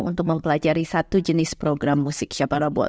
untuk mempelajari satu jenis program musik shabarabot